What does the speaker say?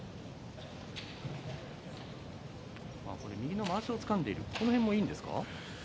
右のまわしをつかんでいるこの辺もいいんですか？